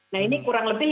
nah ini kurang lebih